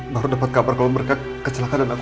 baru dapat kabar kalau mereka kecelakaan anakku